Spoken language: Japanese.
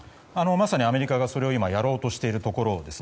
まさにアメリカが、それをやろうとしているところです。